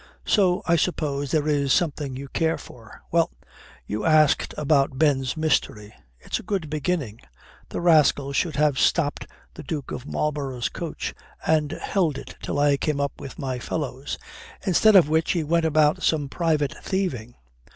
"So. I suppose there is something you care for. Well you asked about Ben's mystery. It's a good beginning. The rascal should have stopped the Duke of Marlborough's coach and held it till I came up with my fellows. Instead of which he went about some private thieving.